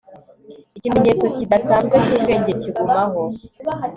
Ikimenyetso kidasanzwe cyubwenge kigumaho